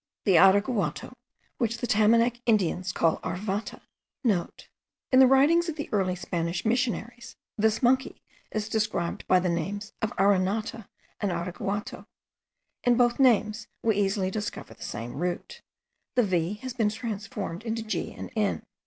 The araguato, which the Tamanac Indians call aravata,* (* In the writings of the early Spanish missionaries, this monkey is described by the names of aranata and araguato. In both names we easily discover the same root. The v has been transformed into g and n.